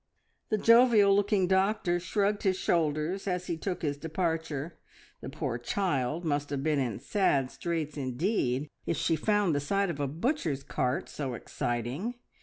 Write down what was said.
The jovial looking doctor shrugged his shoulders as he took his departure. The poor child must have been in sad straits indeed if she found the sight of a butcher's cart so exciting!